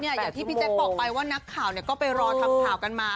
อย่างที่พี่แจ๊คบอกไปว่านักข่าวก็ไปรอทำข่าวกันมา